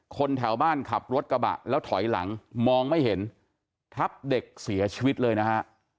แถวบ้านขับรถกระบะแล้วถอยหลังมองไม่เห็นทับเด็กเสียชีวิตเลยนะฮะ